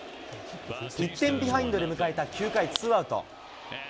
１点ビハインドで迎えた９回ツーアウト。